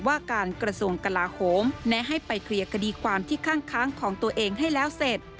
ว่าการกระทรวงกลาโหมแนะให้ไปเคลียร์คดีความที่ข้างของตัวเองให้แล้วเสร็จ